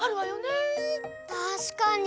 たしかに！